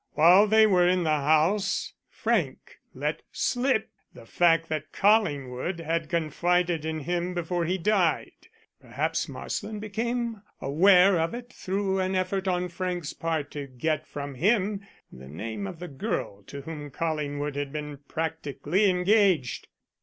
While they were in the house Frank let slip the fact that Collingwood had confided in him before he died. Perhaps Marsland became aware of it through an effort on Frank's part to get from him the name of the girl to whom Collingwood had been practically engaged.